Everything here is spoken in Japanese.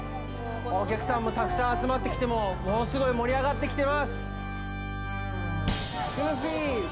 お客さんもたくさん集まってきて、物すごい盛り上がってきてます！